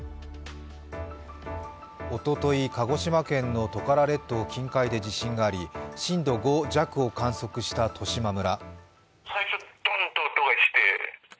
おととい、鹿児島県のトカラ列島近海で地震があり、震度５弱を観測した十島村。